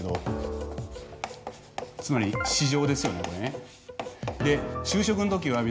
つまり市場ですよねこれね。